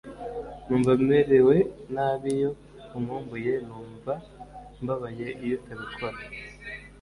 numva merewe nabi iyo unkumbuye, numva mbabaye iyo utabikora